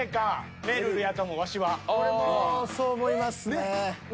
俺もそう思いますね。